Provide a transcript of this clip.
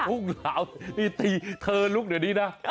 พุ่งเหลานี่เธอลุกเดี๋ยวนี้นะ